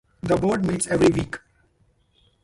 The Board meets every week.